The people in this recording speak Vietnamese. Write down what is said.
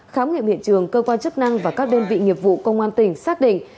khám nghiệm hiện trường cơ quan chức năng và các đơn vị nghiệp vụ công an tỉnh xác định